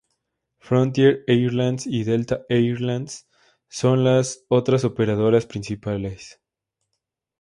Frontier Airlines y Delta Air Lines son las otras operadoras principales.